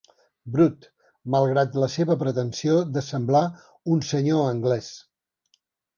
Brut, malgrat la seva pretensió de semblar un senyor anglès.